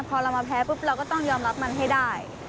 พอเรามาแพ้ปุ๊บเราก็ต้องยอมรับมันให้ได้